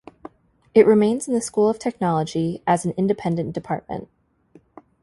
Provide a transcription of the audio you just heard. It remains in the School of Technology, as an independent Department.